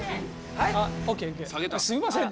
「すいません」